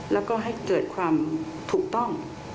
แล้วก็ให้เกิดความถูกต้อง